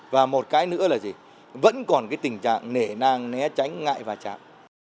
và một cái nữa là gì vẫn còn cái tình trạng nề nang né tránh ngại vai trạm